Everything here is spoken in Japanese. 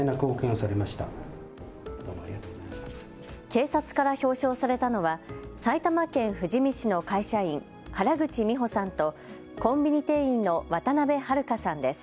警察から表彰されたのは埼玉県富士見市の会社員、原口美帆さんとコンビニ店員の渡邉はるかさんです。